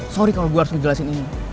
sorry kalau gue harus ngejelasin ini